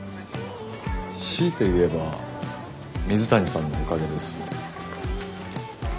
強いて言えば水谷さんのおかげです。